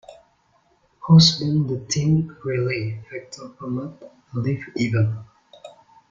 House band The Tim Riley Factor performed at live events.